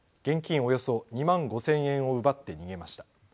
およそ２万５０００円を奪って逃げました。